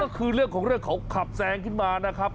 เออก็คือเรื่องของขับแสงขึ้นมานะครับ